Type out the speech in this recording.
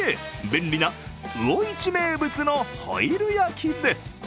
便利な魚市名物のホイル焼きです。